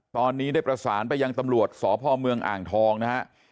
ตอนนี้ได้ประสานไปยังตำรวจสพเมืองอ่างทองนะฮะ